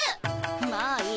まあいい。